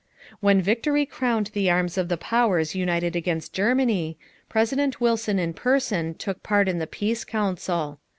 When victory crowned the arms of the powers united against Germany, President Wilson in person took part in the peace council.